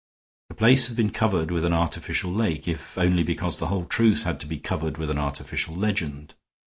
The place had been covered with an artificial lake, if only because the whole truth had to be covered with an artificial legend.